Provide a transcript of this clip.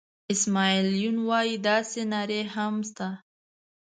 اسماعیل یون وایي داسې نارې هم شته.